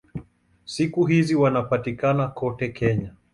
Siku hizi wanapatikana kote Kenya.